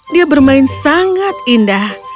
dia bermain sangat indah